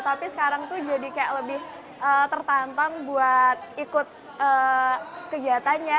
tapi sekarang tuh jadi kayak lebih tertantang buat ikut kegiatannya